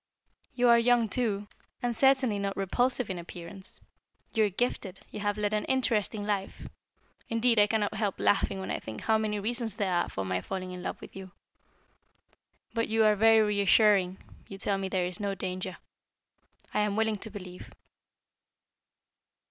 You are young too, and certainly not repulsive in appearance. You are gifted, you have led an interesting life indeed, I cannot help laughing when I think how many reasons there are for my falling in love with you. But you are very reassuring, you tell me there is no danger. I am willing to believe."